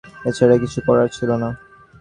এছাড়া কিছু করার ছিল না।